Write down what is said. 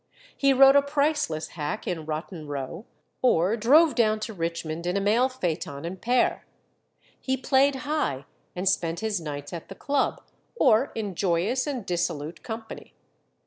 He rode a priceless hack in Rotten Row, or drove down to Richmond in a mail phaeton and pair. He played high, and spent his nights at the club, or in joyous and dissolute company.